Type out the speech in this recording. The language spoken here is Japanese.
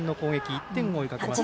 １点を追いかけます。